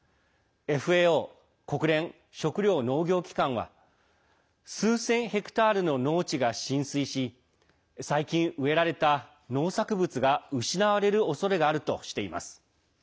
ＦＡＯ＝国連食糧農業機関は数千ヘクタールの農地が浸水し最近植えられた農作物が失われるおそれがあるとしています。